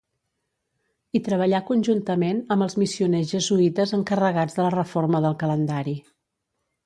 Hi treballà conjuntament amb els missioners jesuïtes encarregats de la reforma del calendari.